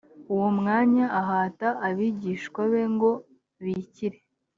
uwo mwanya ahata abigishwa be ngo bikire